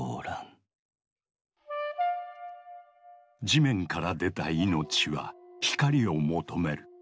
地面から出た命は光を求める。